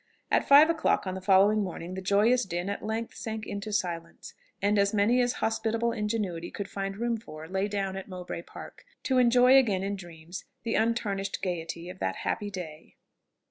At five o'clock on the following morning the joyous din at length sank into silence, and as many as hospitable ingenuity could find room for lay down at Mowbray Park to enjoy again in dreams the untarnished gaiety of that happy day.